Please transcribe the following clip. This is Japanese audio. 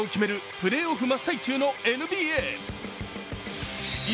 プレーオフ真っ最中のＮＢＡ。